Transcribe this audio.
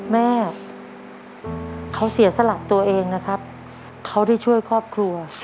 แม่เขาเสียสละตัวเองนะครับเขาได้ช่วยครอบครัว